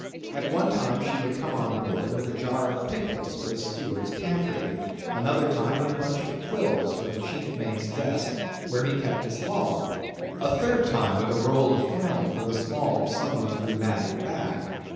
At one time she would come on board with a jar of pickles for the steward's pantry; another time with a bunch of quills for the chief mate's desk, where he kept his log; a third time with a roll of flannel for the small of some one's rheumatic back.